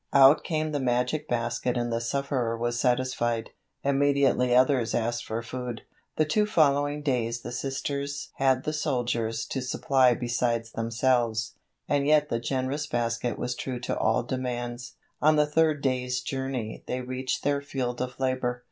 Out came the magic basket and the sufferer was satisfied. Immediately others asked for food. The two following days the Sisters had the soldiers to supply besides themselves, and yet the generous basket was true to all demands. On the third day's journey they reached their field of labor.